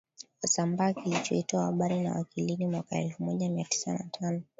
Wasambaa kilichoitwa Habari za Wakilindi mwaka elfumoja miatisa na tano